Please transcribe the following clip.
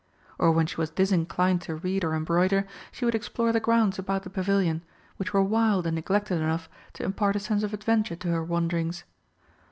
Or when she was disinclined to read or embroider, she would explore the grounds about the Pavilion, which were wild and neglected enough to impart a sense of adventure to her wanderings.